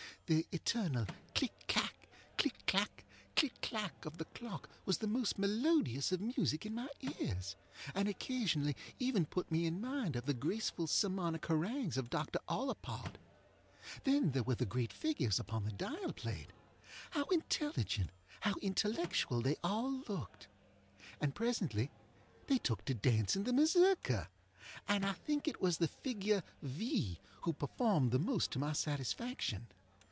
The eternal click clak, click clak, click clak of the clock was the most melodious of music in my ears, and occasionally even put me in mind of the graceful sermonic harangues of Dr. Ollapod. Then there were the great figures upon the dial plateŌĆöhow intelligent how intellectual, they all looked! And presently they took to dancing the Mazurka, and I think it was the figure V. who performed the most to my satisfaction.